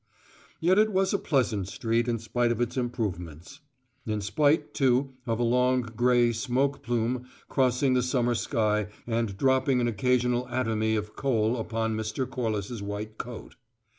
Yet it was a pleasant street in spite of its improvements; in spite, too, of a long, gray smoke plume crossing the summer sky and dropping an occasional atomy of coal upon Mr. Corliss's white coat.